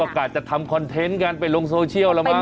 ก็กลายจะทำคอนเทนต์กันไปลงโซเชียลละมั้ง